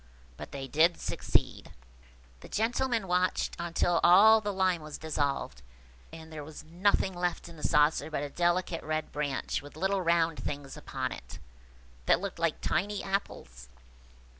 But they did succeed. The gentlemen watched on till all the lime was dissolved, and there was nothing left in the saucer but a delicate red branch with little round things upon it, that looked like tiny apples.